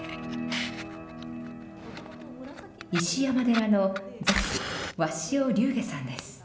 石山寺の座主鷲尾龍華さんです。